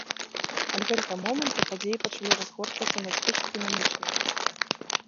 Ад гэтага моманту падзеі пачалі разгортвацца надзвычай дынамічна.